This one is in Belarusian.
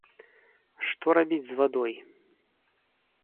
Што рабіць з вадой.